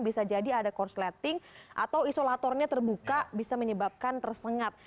bisa jadi ada korsleting atau isolatornya terbuka bisa menyebabkan tersengat